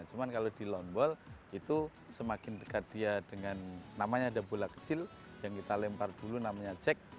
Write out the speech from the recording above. cuma kalau di lone wall itu semakin dekat dia dengan namanya ada bola kecil yang kita lempar dulu namanya jack